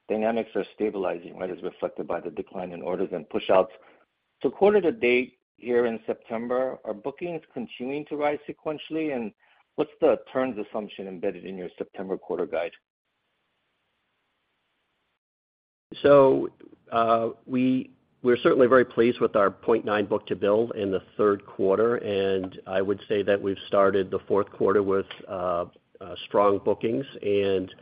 dynamics are stabilizing, right, as reflected by the decline in orders and pushouts. Quarter to date, here in September, are bookings continuing to rise sequentially, and what's the turns assumption embedded in your September quarter guide? We're certainly very pleased with our 0.9 book-to-bill in the third quarter, and I would say that we've started the fourth quarter with strong bookings, and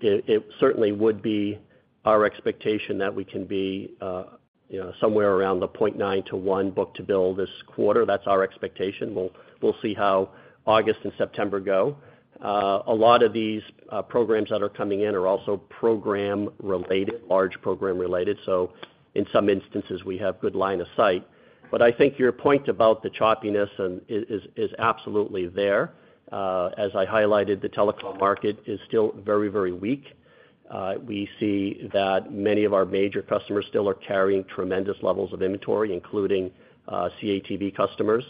it certainly would be our expectation that we can be, you know, somewhere around the 0.9-1 book-to-bill this quarter. That's our expectation. We'll see how August and September go. A lot of these programs that are coming in are also program-related, large program-related, so in some instances, we have good line of sight. I think your point about the choppiness is absolutely there. As I highlighted, the telecom market is still very, very weak. We see that many of our major customers still are carrying tremendous levels of inventory, including CATV customers.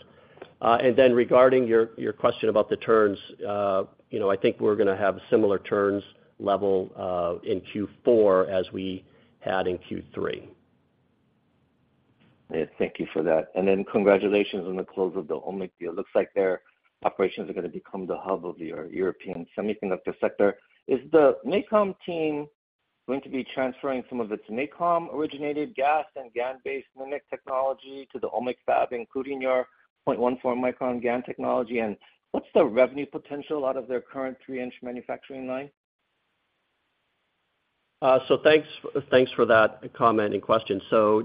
Then regarding your, your question about the turns, you know, I think we're gonna have similar turns level in Q4 as we had in Q3. Yeah, thank you for that. Then congratulations on the close of the OMMIC deal. Looks like their operations are gonna become the hub of the European semiconductor sector. Is the MACOM team going to be transferring some of its MACOM-originated GaAs and GaN-based MMIC technology to the OMMIC fab, including your 0.14-micron GaN technology? What's the revenue potential out of their current 3-inch manufacturing line? Thanks, thanks for that comment and question.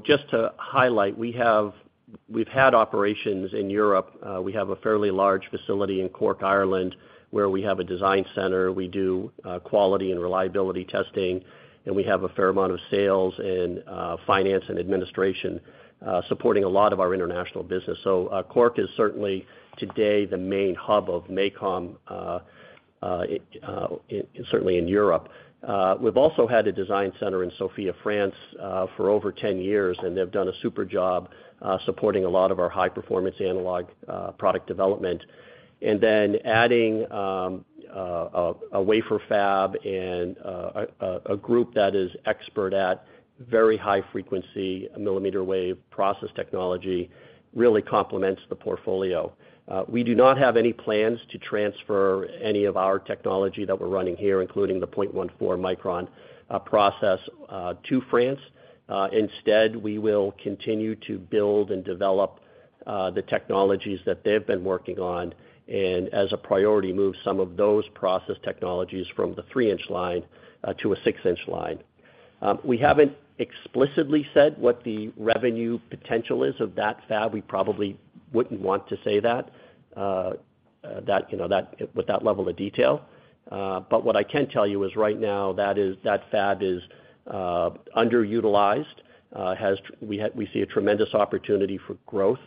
Just to highlight, we've had operations in Europe. We have a fairly large facility in Cork, Ireland, where we have a design center. We do quality and reliability testing, and we have a fair amount of sales and finance and administration supporting a lot of our international business. Cork is certainly today the main hub of MACOM, certainly in Europe. We've also had a design center in Sophia, France, for over 10 years, and they've done a super job supporting a lot of our high-performance analog product development. Then adding a wafer fab and a group that is expert at very high frequency, millimeter wave process technology, really complements the portfolio. We do not have any plans to transfer any of our technology that we're running here, including the 0.14 micron process, to France. Instead, we will continue to build and develop the technologies that they've been working on, and as a priority, move some of those process technologies from the three-inch line to a six-inch line. We haven't explicitly said what the revenue potential is of that fab. We probably wouldn't want to say that, you know, with that level of detail. What I can tell you is right now, that is, that fab is underutilized. We see a tremendous opportunity for growth,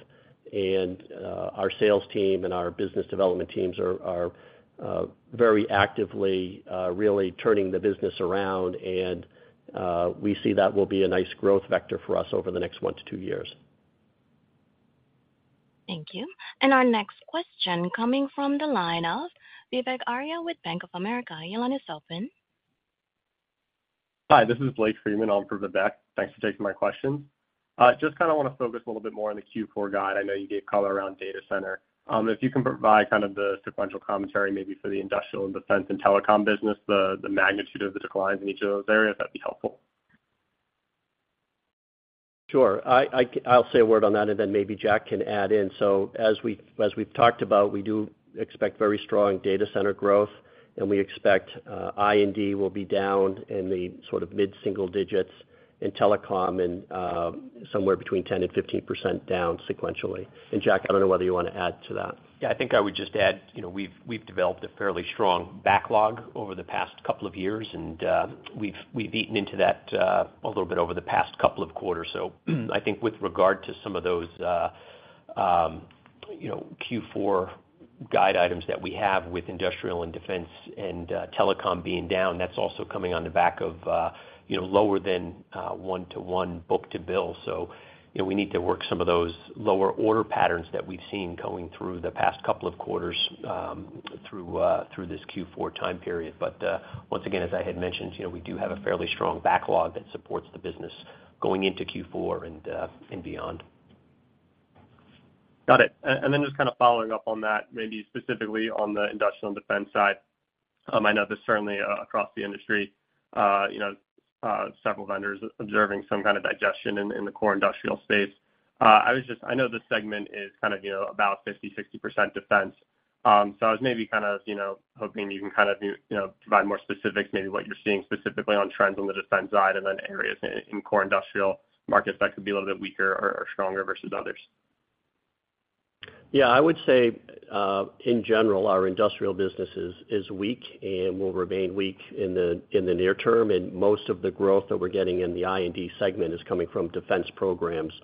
and our sales team and our business development teams are very actively really turning the business around, and we see that will be a nice growth vector for us over the next one to two years. Thank you. Our next question coming from the line of Vivek Arya with Bank of America. Your line is open. Hi, this is Blake Freeman on for Vivek. Thanks for taking my question. Just kind of wanna focus a little bit more on the Q4 guide. I know you gave color around Data Center. If you can provide kind of the sequential commentary, maybe for the Industrial and Defense and Telecom business, the magnitude of the declines in each of those areas, that'd be helpful? Sure. I, I I'll say a word on that, and then maybe Jack can add in. As we, as we've talked about, we do expect very strong Data Center growth, and we expect I&D will be down in the sort of mid-single digits in Telecom and somewhere between 10% and 15% down sequentially. Jack, I don't know whether you wanna add to that. Yeah, I think I would just add, you know, we've, we've developed a fairly strong backlog over the past couple of years, and we've, we've eaten into that a little bit over the past couple of quarters. So I think with regard to some of those, you know, Q4 guide items that we have with Industrial and Defense and Telecom being down, that's also coming on the back of, you know, lower than 1-to-1 book-to-bill. You know, we need to work some of those lower order patterns that we've seen going through the past couple of quarters, through this Q4 time period. Once again, as I had mentioned, you know, we do have a fairly strong backlog that supports the business going into Q4 and beyond. Got it. Then just kind of following up on that, maybe specifically on the Industrial and Defense side. I know this is certainly across the industry, you know, several vendors observing some kind of digestion in the core industrial space. I know this segment is kind of, you know, about 50%, 60% defense. I was maybe kind of, you know, hoping you can kind of, you know, provide more specifics, maybe what you're seeing specifically on trends on the defense side, and then areas in core industrial markets that could be a little bit weaker or stronger versus others. Yeah, I would say, in general, our industrial business is weak and will remain weak in the near term, and most of the growth that we're getting in the I&D segment is coming from defense programs,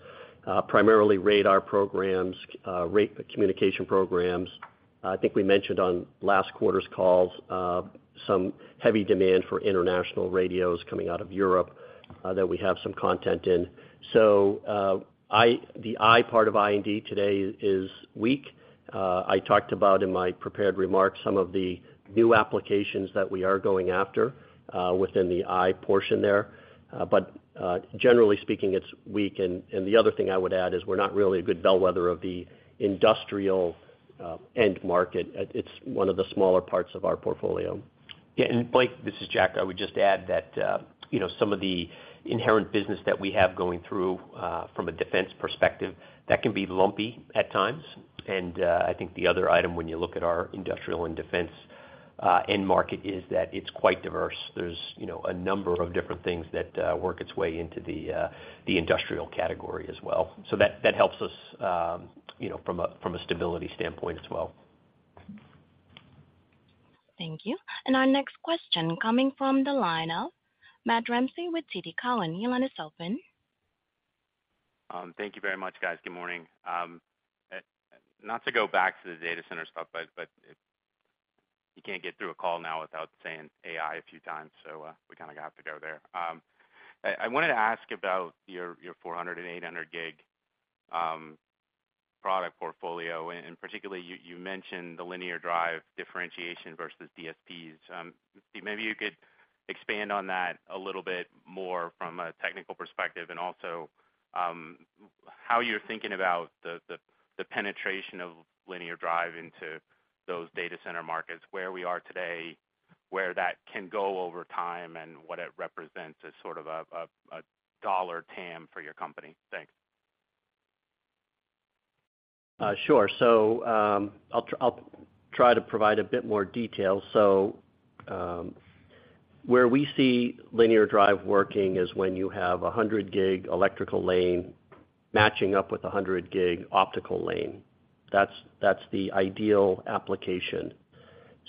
primarily radar programs, communication programs. I think we mentioned on last quarter's calls, some heavy demand for international radios coming out of Europe, that we have some content in. The I part of I&D today is weak. I talked about in my prepared remarks some of the new applications that we are going after, within the I portion there. Generally speaking, it's weak. The other thing I would add is we're not really a good bellwether of the industrial end market. It's one of the smaller parts of our portfolio. Yeah, and Blake, this is Jack. I would just add that, you know, some of the inherent business that we have going through, from a defense perspective, that can be lumpy at times. I think the other item, when you look at our Industrial and Defense end market, is that it's quite diverse. There's, you know, a number of different things that work its way into the industrial category as well. That, that helps us, you know, from a, from a stability standpoint as well. Thank you. Our next question coming from the line of Matt Ramsey with TD Cowen. Your line is open. Thank you very much, guys. Good morning. Not to go back to the Data Center stuff, but you can't get through a call now without saying AI a few times, so we kinda have to go there. I wanted to ask about your 400 and 800 gig product portfolio, and particularly, you mentioned the linear drive differentiation versus DSPs. Maybe you could expand on that a little bit more from a technical perspective, and also, how you're thinking about the penetration of linear drive into those Data Center markets, where we are today, where that can go over time, and what it represents as sort of a dollar TAM for your company. Thanks. Sure. I'll try to provide a bit more detail. Where we see linear drive working is when you have a 100 gig electrical lane matching up with a 100 gig optical lane. That's, that's the ideal application.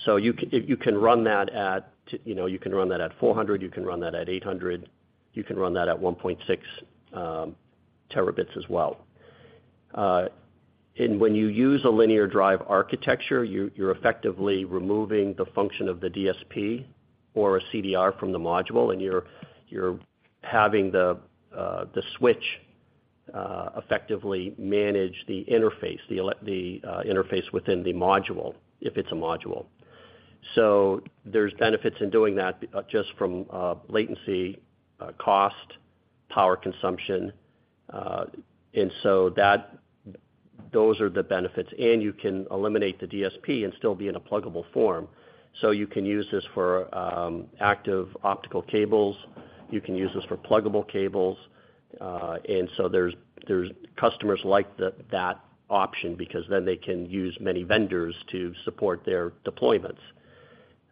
You can run that at, you know, you can run that at 400, you can run that at 800, you can run that at 1.6 terabits as well. When you use a linear drive architecture, you're, you're effectively removing the function of the DSP or a CDR from the module, and you're, you're having the switch effectively manage the interface, the interface within the module, if it's a module. There's benefits in doing that, just from latency, cost, power consumption, and so those are the benefits, and you can eliminate the DSP and still be in a pluggable form. You can use this for active optical cables, you can use this for pluggable cables, and so there's customers like that, that option, because then they can use many vendors to support their deployments.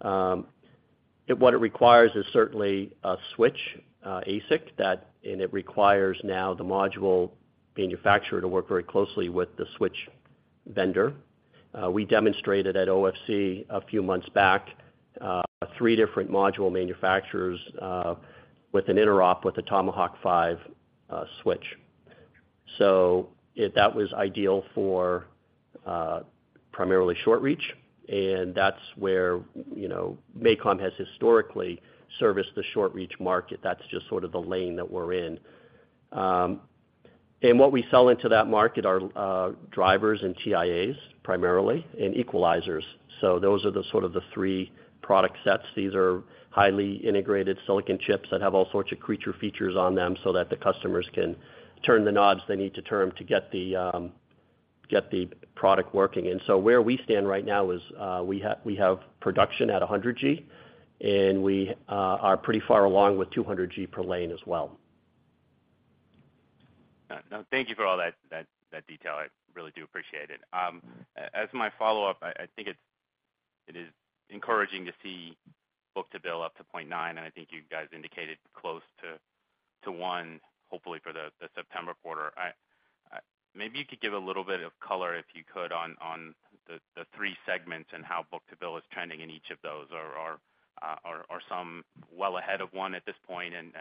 What it requires is certainly a switch ASIC, and it requires now the module manufacturer to work very closely with the switch vendor. We demonstrated at OFC a few months back, three different module manufacturers, with an interop, with a Tomahawk 5 switch. If that was ideal for primarily short reach, and that's where, you know, MACOM has historically serviced the short reach market. That's just sort of the lane that we're in. What we sell into that market are drivers and TIAs, primarily, and equalizers. Those are the sort of the three product sets. These are highly integrated silicon chips that have all sorts of creature features on them so that the customers can turn the knobs they need to turn to get the product working. Where we stand right now is, we have production at 100G, and we are pretty far along with 200G per lane as well. Thank you for all that, that, that detail. I really do appreciate it. As my follow-up, I, I think it is encouraging to see book-to-bill up to 0.9, and I think you guys indicated close to 1, hopefully for the September quarter. Maybe you could give a little bit of color, if you could, on the three segments and how book-to-bill is trending in each of those, or, are some well ahead of 1 at this point, and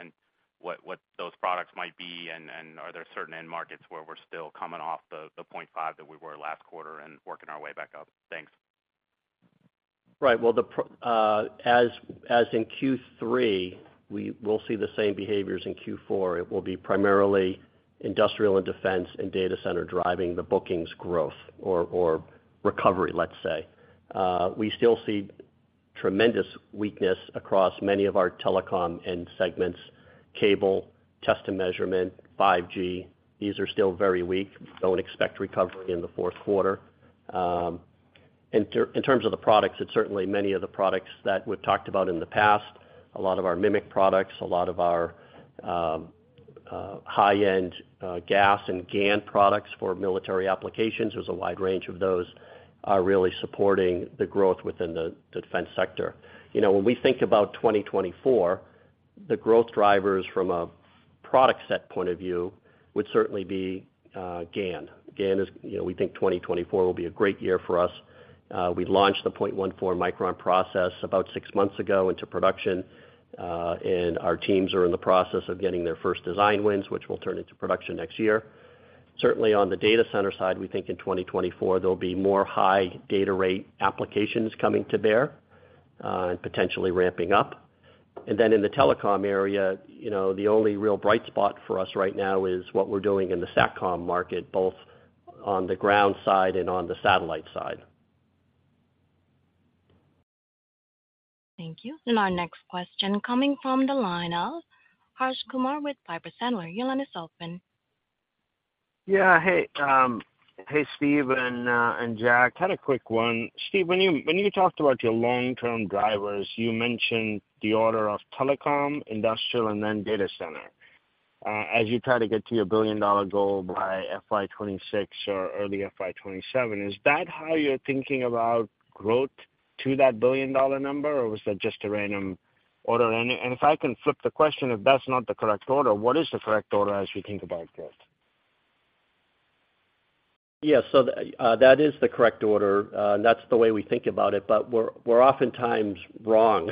what those products might be, and are there certain end markets where we're still coming off the 0.5 that we were last quarter and working our way back up? Thanks. Right. Well, as, as in Q3, we will see the same behaviors in Q4. It will be primarily Industrial and Defense and Data Center driving the bookings growth or, or recovery, let's say. We still see tremendous weakness across many of our Telecom end segments, cable, test and measurement, 5G. These are still very weak. Don't expect recovery in the fourth quarter. In terms of the products, it's certainly many of the products that we've talked about in the past. A lot of our MMIC products, a lot of our, high-end, GaAs and GaN products for military applications, there's a wide range of those, are really supporting the growth within the, the defense sector. You know, when we think about 2024, the growth drivers from a product set point of view would certainly be, GaN. GaN is, you know, we think 2024 will be a great year for us. We launched the 0.14 µm process about six months ago into production, and our teams are in the process of getting their first design wins, which will turn into production next year. Certainly, on the Data Center side, we think in 2024 there'll be more high data rate applications coming to bear, and potentially ramping up. In the Telecom area, you know, the only real bright spot for us right now is what we're doing in the SatCom market, both on the ground side and on the satellite side. Thank you. Our next question coming from the line of Harsh Kumar with Piper Sandler. Your line is open. Yeah. Hey, hey, Steve and Jack, had a quick one. Steve, when you, when you talked about your long-term drivers, you mentioned the order of Telecom, Industrial, and then Data Center. As you try to get to your billion-dollar goal by FY 2026 or early FY 2027, is that how you're thinking about growth to that billion-dollar number, or was that just a random order? If I can flip the question, if that's not the correct order, what is the correct order as you think about growth? Yeah, that is the correct order, and that's the way we think about it, but we're, we're oftentimes wrong,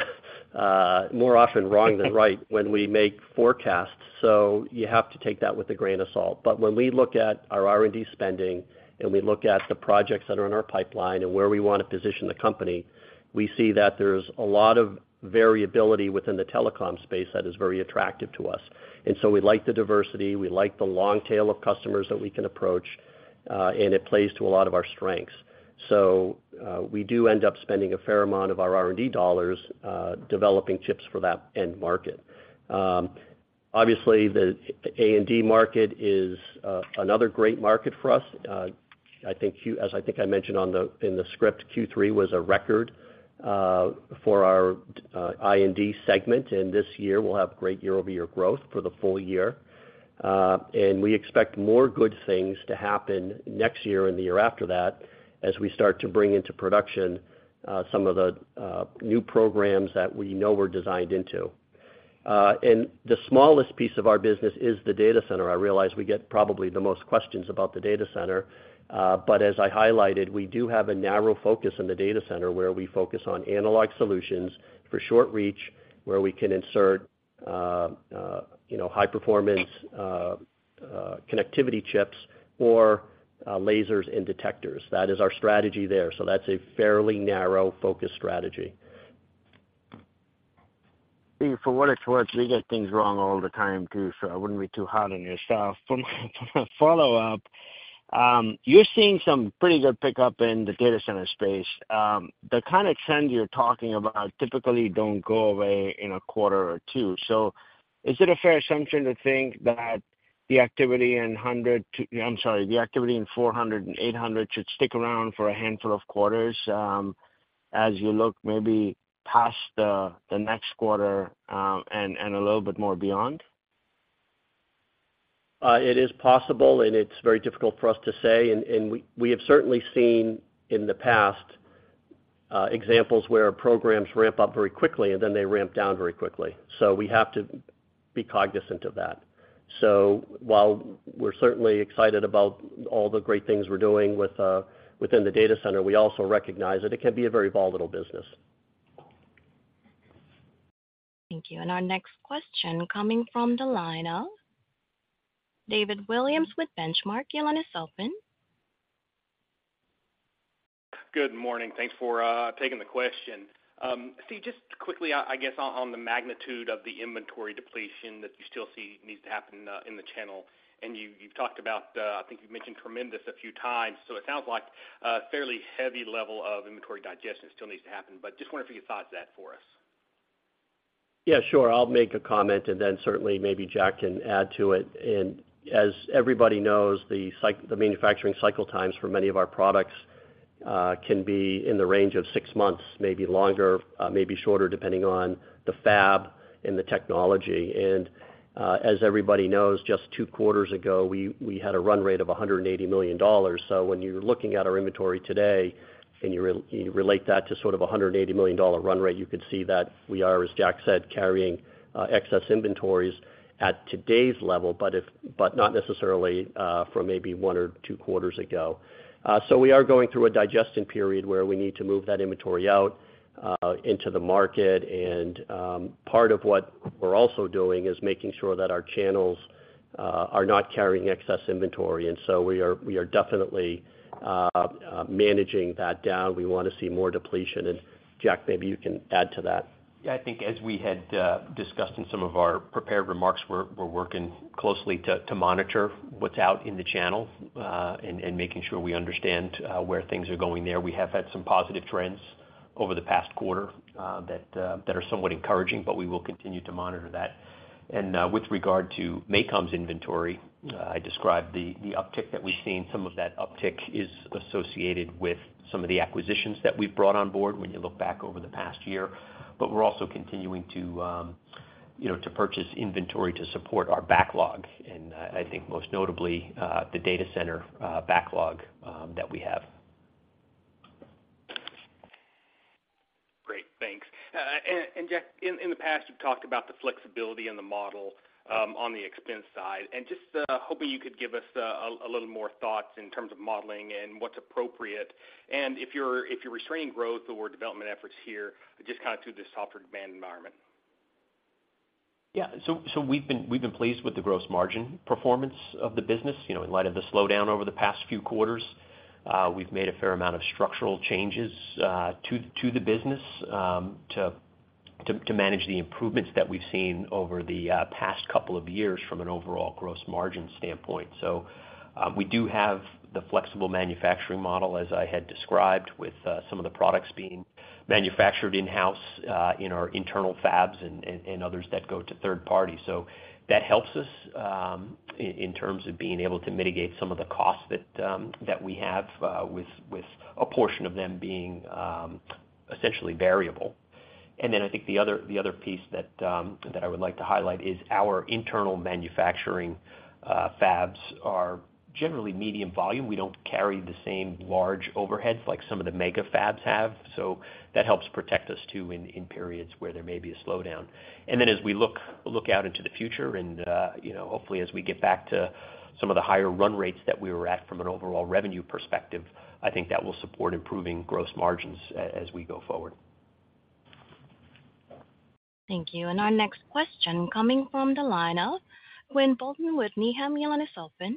more often wrong than right when we make forecasts, so you have to take that with a grain of salt. When we look at our R&D spending and we look at the projects that are in our pipeline and where we want to position the company, we see that there's a lot of variability within the Telecom space that is very attractive to us. We like the diversity, we like the long tail of customers that we can approach, and it plays to a lot of our strengths. We do end up spending a fair amount of our R&D dollars, developing chips for that end market. Obviously, the A&D market is another great market for us. I think Q- as I think I mentioned on the, in the script, Q3 was a record for our I&D segment, and this year, we'll have great year-over-year growth for the full year. And we expect more good things to happen next year and the year after that, as we start to bring into production, some of the new programs that we know were designed into. And the smallest piece of our business is the Data Center. I realize we get probably the most questions about the Data Center, but as I highlighted, we do have a narrow focus in the Data Center, where we focus on analog solutions for short-reach, where we can insert, you know, high performance, connectivity chips or lasers and detectors. That is our strategy there. That's a fairly narrow focus strategy. For what it's worth, we get things wrong all the time, too, so I wouldn't be too hard on yourself. From, from a follow-up, you're seeing some pretty good pickup in the Data Center space. The kind of trends you're talking about typically don't go away in a quarter or two. Is it a fair assumption to think that the activity in 400G and 800G should stick around for a handful of quarters, as you look maybe past the, the next quarter, and, and a little bit more beyond? It is possible, and it's very difficult for us to say. We have certainly seen in the past, examples where programs ramp up very quickly, and then they ramp down very quickly. We have to be cognizant of that. While we're certainly excited about all the great things we're doing with, within the Data Center, we also recognize that it can be a very volatile business. Thank you. Our next question coming from the line of David Williams with Benchmark. Your line is open. Good morning. Thanks for taking the question. Steve, just quickly, I, I guess on the magnitude of the inventory depletion that you still see needs to happen in the channel, and you, you've talked about, I think you've mentioned tremendous a few times, so it sounds like a fairly heavy level of inventory digestion still needs to happen. Just wondering if you could thought that for us? Yeah, sure. I'll make a comment, then certainly maybe Jack can add to it. As everybody knows, the manufacturing cycle times for many of our products can be in the range of six months, maybe longer, maybe shorter, depending on the fab and the technology. As everybody knows, just two quarters ago, we had a run rate of $180 million. When you're looking at our inventory today, and you relate that to sort of a $180 million run rate, you can see that we are, as Jack said, carrying excess inventories at today's level, but not necessarily from maybe one or two quarters ago. We are going through a digestion period where we need to move that inventory out into the market. Part of what we're also doing is making sure that our channels are not carrying excess inventory, and so we are, we are definitely managing that down. We wanna see more depletion. Jack, maybe you can add to that. Yeah, I think as we had discussed in some of our prepared remarks, we're working closely to monitor what's out in the channel and making sure we understand where things are going there. We have had some positive trends over the past quarter that are somewhat encouraging, but we will continue to monitor that. With regard to MACOM's inventory, I described the uptick that we've seen. Some of that uptick is associated with some of the acquisitions that we've brought on board when you look back over the past year. We're also continuing to, you know, to purchase inventory to support our backlog, and I think most notably, the Data Center backlog that we have. Great, thanks. Jack, in the past, you've talked about the flexibility in the model, on the expense side, and just hoping you could give us a little more thoughts in terms of modeling and what's appropriate. If you're, if you're restraining growth or development efforts here, just kind of through this softer demand environment. Yeah. We've been, we've been pleased with the gross margin performance of the business, you know, in light of the slowdown over the past few quarters. We've made a fair amount of structural changes to, to the business to, to, to manage the improvements that we've seen over the past couple of years from an overall gross margin standpoint. We do have the flexible manufacturing model, as I had described, with some of the products being manufactured in-house in our internal fabs and, and, and others that go to third party. That helps us in terms of being able to mitigate some of the costs that that we have with, with a portion of them being essentially variable. I think the other, the other piece that I would like to highlight is our internal manufacturing fabs are generally medium volume. We don't carry the same large overheads like some of the mega fabs have, so that helps protect us too, in periods where there may be a slowdown. As we look, look out into the future and, you know, hopefully, as we get back to some of the higher run rates that we were at from an overall revenue perspective, I think that will support improving gross margins as we go forward. Thank you. Our next question, coming from the line of Quinn Bolton with Needham. Your line is open.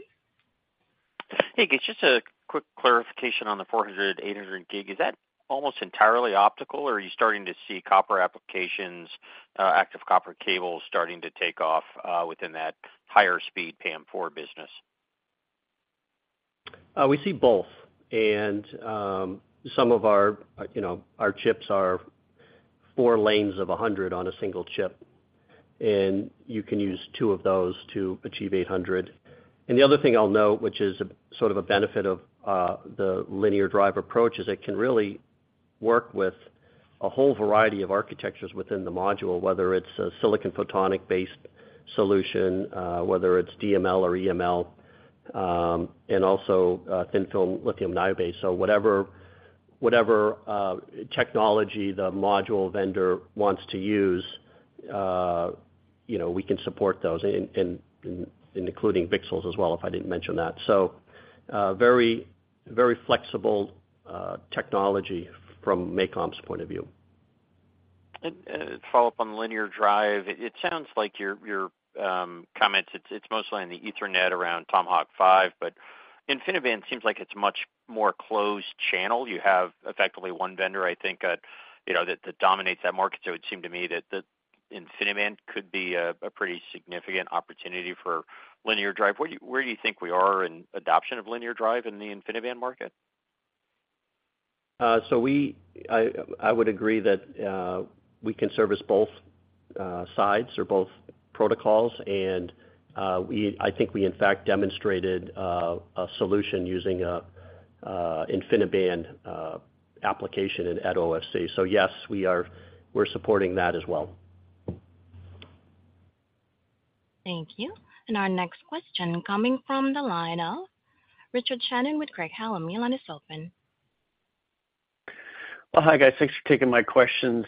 Hey, just a quick clarification on the 400G, 800G. Is that almost entirely optical, or are you starting to see copper applications, active copper cables starting to take off within that higher speed PAM4 business? We see both. You know, our chips are four lanes of 100 on a single chip, and you can use two of those to achieve 800. The other thing I'll note, which is sort of a benefit of the linear drive approach, is it can really work with a whole variety of architectures within the module, whether it's a silicon photonic-based solution, whether it's DML or EML, and also thin film lithium niobate. Whatever, whatever technology the module vendor wants to use, you know, we can support those including VCSELs as well, if I didn't mention that. Very, very flexible technology from MACOM's point of view. To follow up on linear drive, it sounds like your, your comments, it's, it's mostly on the Ethernet around Tomahawk 5. InfiniBand seems like it's much more closed channel. You have effectively one vendor, I think, you know, that, that dominates that market. It seemed to me that the InfiniBand could be a, a pretty significant opportunity for linear drive. Where do you, where do you think we are in adoption of linear drive in the InfiniBand market? I would agree that we can service both sides or both protocols, and I think we in fact demonstrated a solution using a InfiniBand application at OFC. Yes, we are, we're supporting that as well. Thank you. Our next question coming from the line of Richard Shannon with Craig-Hallum. Your line is open. Well, hi, guys. Thanks for taking my questions.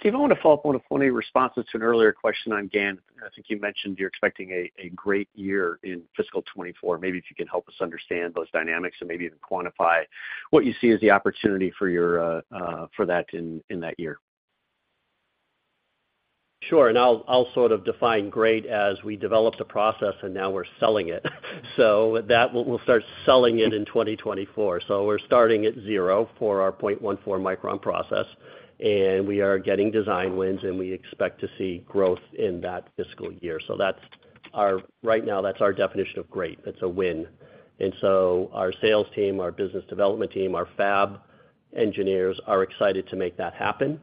Steve, I want to follow up on one of your responses to an earlier question on GaN. I think you mentioned you're expecting a great year in fiscal 2024. Maybe if you could help us understand those dynamics and maybe even quantify what you see as the opportunity for your for that in that year? Sure, and I'll, I'll sort of define great as we developed a process, and now we're selling it. That we'll, we'll start selling it in 2024. We're starting at zero for our 0.14 µm process, and we are getting design wins, and we expect to see growth in that fiscal year. That's our right now, that's our definition of great. It's a win. Our sales team, our business development team, our fab engineers are excited to make that happen.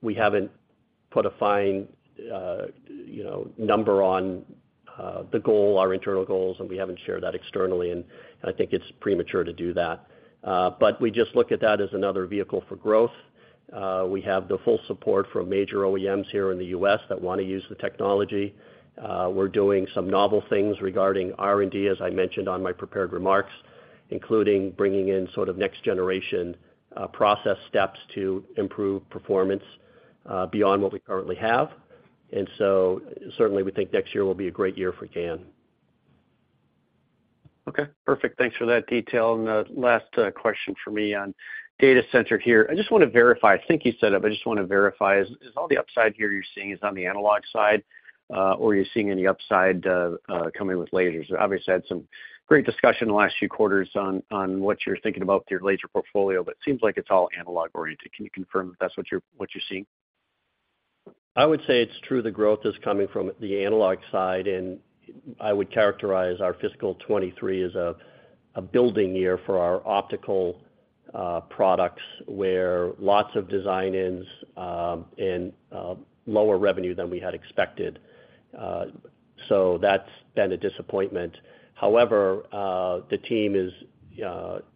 We haven't put a fine, you know, number on the goal, our internal goals, and we haven't shared that externally, and I think it's premature to do that. We just look at that as another vehicle for growth. We have the full support from major OEMs here in the U.S. that wanna use the technology. We're doing some novel things regarding R&D, as I mentioned on my prepared remarks, including bringing in sort of next generation process steps to improve performance beyond what we currently have. Certainly we think next year will be a great year for GaN. Okay, perfect. Thanks for that detail. The last question for me on Data Center here. I just wanna verify. I think you said it, but I just wanna verify. Is all the upside here you're seeing is on the analog side, or are you seeing any upside coming with lasers? Obviously, had some great discussion the last few quarters on what you're thinking about with your laser portfolio, but it seems like it's all analog-oriented. Can you confirm if that's what you're, what you're seeing? I would say it's true the growth is coming from the analog side, and I would characterize our fiscal 2023 as a building year for our optical products, where lots of design-ins, and lower revenue than we had expected. That's been a disappointment. However, the team is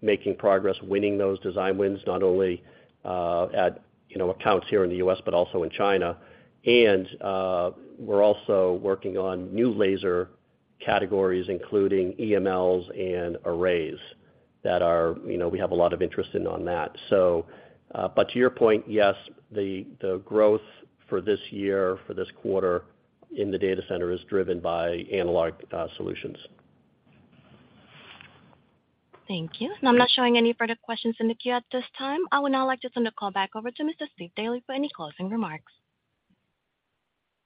making progress, winning those design wins, not only at, you know, accounts here in the U.S., but also in China. We're also working on new laser categories, including EMLs and arrays, that are. You know, we have a lot of interest in on that. But to your point, yes, the growth for this year, for this quarter in the Data Center is driven by analog solutions. Thank you. I'm not showing any further questions in the queue at this time. I would now like to turn the call back over to Mr. Steve Daly for any closing remarks.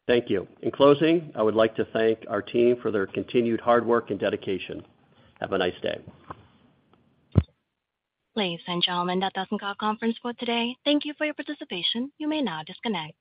Thank you. In closing, I would like to thank our team for their continued hard work and dedication. Have a nice day. Ladies and gentlemen, that does end our conference call today. Thank you for your participation. You may now disconnect.